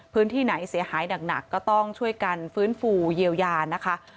พื้นที่ไหนเสียหายหนักก็ต้องช่วยกันฟื้นฟูเยียวยานะคะ